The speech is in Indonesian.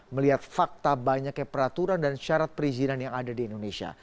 melihat fakta banyaknya peraturan dan syarat perizinan yang ada di indonesia